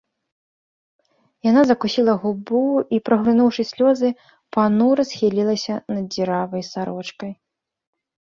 Яна закусіла губу і, праглынуўшы слёзы, панура схілілася над дзіравай сарочкай.